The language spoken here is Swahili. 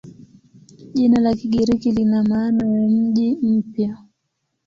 Jina la Kigiriki lina maana ya "mji mpya".